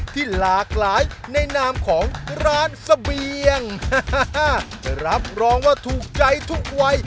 ที่หลากหลายในนามของร้านเสบียงรับรองว่าถูกใจทุกวัย